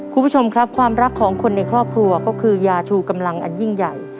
คุณผู้ชมครับความรักของคนในครอบครัวก็คือยาชูกำลังอันยิ่งใหญ่